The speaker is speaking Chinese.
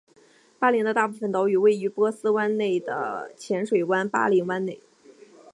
巴林的大部分岛屿位于波斯湾内的浅水湾巴林湾内。